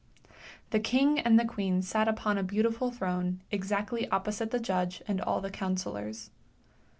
The king and the queen sat upon a beautiful throne exactly opposite the judge and all the councillors.